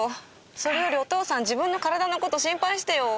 それよりお父さん自分の体のこと心配してよ。